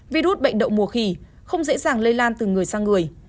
virus bệnh đậu mùa khỉ không dễ dàng lây lan từ người sang người